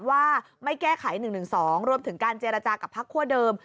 ว่าไม่แก้ไข๑๑๒รวมถึงการเจรจากับพักคั่วเดิม